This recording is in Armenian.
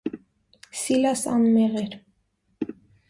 Սիլաս անմեղ էր։